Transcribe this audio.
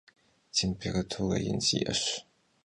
Têmpêratura yin si'eş.